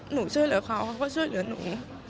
ช่วยเหลือเขาก็ช่วยเหลือหนู